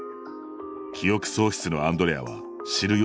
記憶喪失のアンドレアは知る由もない。